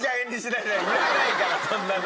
いらないからそんなの。